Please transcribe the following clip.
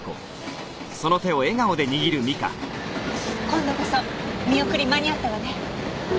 今度こそ見送り間に合ったわね。